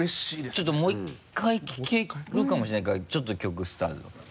ちょっともう１回聴けるかもしれないからちょっと曲スタート。